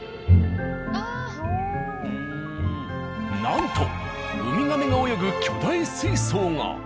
なんとウミガメが泳ぐ巨大水槽が。